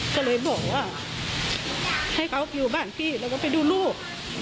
ก็เลยบอกว่าให้เขาอยู่บ้านพี่แล้วก็ไปดูลูก